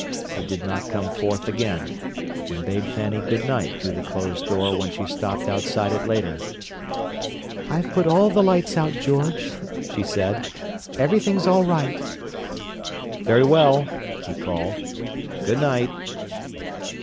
He did not come forth again, and bade Fanny good night through the closed door when she stopped outside it later. "I've put all the lights out, George," she said. "Everything's all right." "Very well," he called. "Good night."